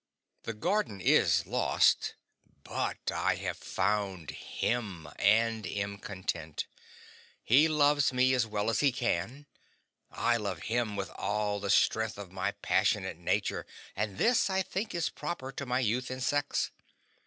The Garden is lost, but I have found HIM, and am content. He loves me as well as he can; I love him with all the strength of my passionate nature, and this, I think, is proper to my youth and sex.